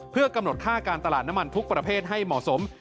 เพื่อกำหนดค่าการตลาดน้ำมันทุกประเภทให้เหมาะสม